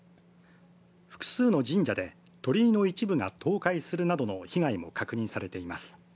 複数の神社で、鳥居の一部が倒壊するなどの被害も確認されています。